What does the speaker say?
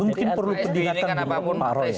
mungkin perlu pendidikan pak roy ya